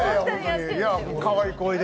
かわいい声で。